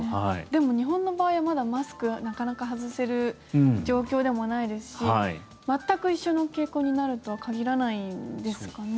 でも、日本の場合はまだマスクはなかなか外せる状況でもないですし全く一緒の傾向になるとは限らないんですかね。